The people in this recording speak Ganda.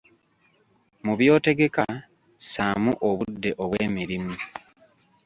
Mu by'otegeka, ssaamu obudde obw’emirimu.